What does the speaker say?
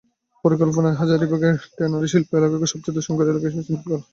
পরিকল্পনায় হাজারীবাগের ট্যানারিশিল্প এলাকাকে সবচেয়ে দূষণকারী এলাকা হিসেবে চিহ্নিত করা হয়।